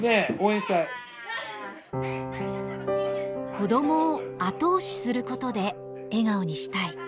子どもを後押しすることで笑顔にしたい。